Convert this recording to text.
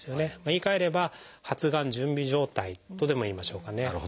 言いかえれば発がん準備状態とでもいいましょうかね。